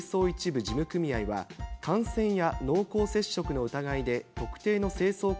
一部事務組合は、感染や濃厚接触の疑いで、特定の清掃